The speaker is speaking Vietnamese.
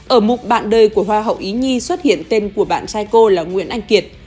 ở mục bạn đời của hoa hậu ý nhi xuất hiện tên của bạn trai cô là nguyễn anh kiệt